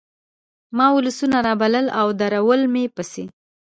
ما ولسونه رابلل او درول مې پسې